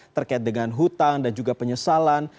terkait dengan hutang dan juga penyesalan